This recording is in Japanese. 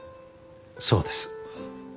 そうです。